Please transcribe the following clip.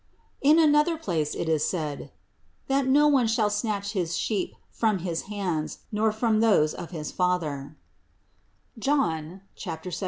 In another place it is said : that no one shall snatch his sheep from his hands nor from those of his Father (John 17, 12).